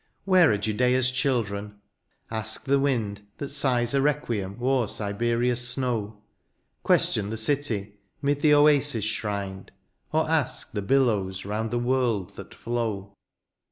Where are Judea^s children ? Ask the wind That sighs a requiem o^er Siberia's snow. Question the city, 'mid the Oasis shrined, Or ask the billows round the world that flow.